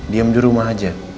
diam di rumah aja